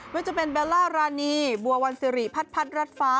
ว่าจะเป็นเบลล่ารานีบัววันสิริพัดรัดฟ้า